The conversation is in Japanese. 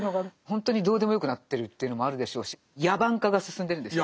ほんとにどうでもよくなってるというのもあるでしょうし野蛮化が進んでるんですよ。